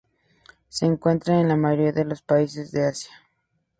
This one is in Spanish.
Se encuentra en la mayoría de los países de Asia.